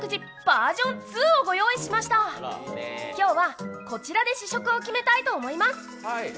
バージョン２をご用意しました今日はこちらで試食を決めたいと思います。